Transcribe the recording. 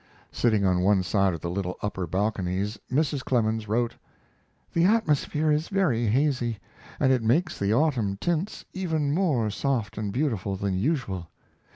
Sitting on one of the little upper balconies Mrs. Clemens wrote: The atmosphere is very hazy, and it makes the autumn tints even more soft and beautiful than usual.